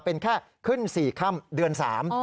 เป็นแค่ขึ้น๔ค่ำเดือน๓